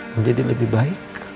menjadi lebih baik